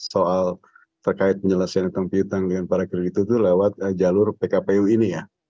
soal terkait penyelesaian utang kreditur lewat jalur pkpu ini ya